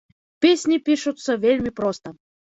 Песні пішуцца вельмі проста.